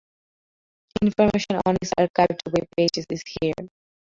Information on his archived webpages is here.